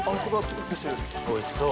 おいしそう。